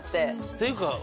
っていうか。